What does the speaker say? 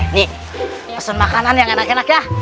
ini pesen makanan yang enak enak ya